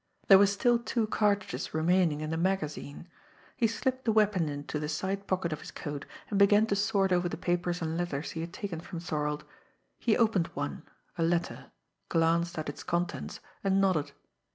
There were still two cartridges remaining in the magazine. He slipped the weapon into the side pocket of his coat, and began to sort over the papers and letters he had taken from Thorold. He opened one a letter glanced at its contents and nodded.